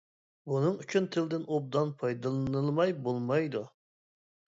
بۇنىڭ ئۈچۈن تىلدىن ئوبدان پايدىلىنىلماي بولمايدۇ.